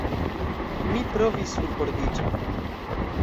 Mi provis surbordiĝi.